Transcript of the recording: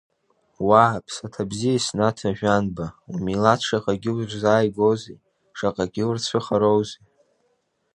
Уа, ԥсаҭа бзиа Еснаҭ Ажәанба, умилаҭ шаҟагьы урзааигәоузеи, шаҟагьы урцәыхароузеи…